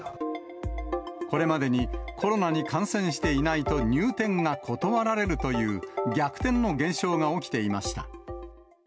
これまでにコロナに感染していないと入店が断られるという、逆転の現象が起きていました。